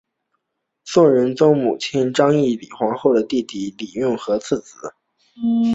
宋仁宗母亲章懿李皇后弟弟李用和次子。